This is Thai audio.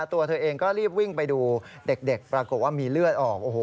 ตัวเธอเองก็รีบวิ่งไปดูเด็กปรากฏว่ามีเลือดออก